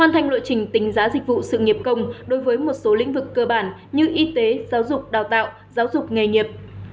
thành lộ trình tính giá dịch vụ sự nghiệp công đối với một số lĩnh vực cơ bản như y tế giáo dục đào tạo giáo dục nghề nghiệp